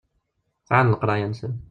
Sɛan leqraya-nsen.